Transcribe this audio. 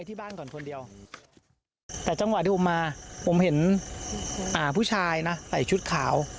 แต่จังหวะที่ผมมาผมเห็นผู้ชายใส่ชุดขาว